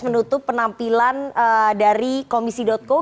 menutup penampilan dari komisi co